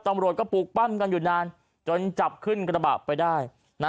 ตำรวจก็ปลูกปั้มกันอยู่นานจนจับขึ้นกระบะไปได้นะ